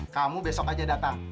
kamu besok aja datang